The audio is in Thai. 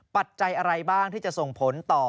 ปัจจัยอะไรบ้างที่จะส่งผลต่อ